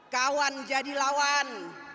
kawan jadi lawan